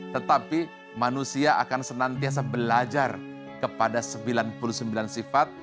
tetapi manusia akan senantiasa belajar kepada sembilan puluh sembilan sifat